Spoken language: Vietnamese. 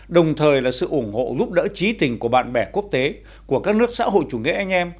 đồng thời là sự ủng hộ giúp đỡ trí tình của bạn bè quốc tế của các nước xã hội chủ nghĩa anh em